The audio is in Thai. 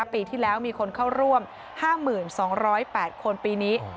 ปีที่แล้วมีคนเข้าร่วม๕๒๐๘คนปีนี้